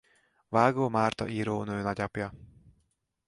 Vágó Márta írónő nagyapja.